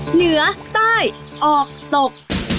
เหนือใต้ออกตก